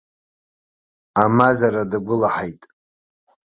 Амазара дагәылаҳаит!